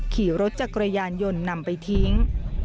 ขี่รถจักรยานยนต์นำไปทิ้ง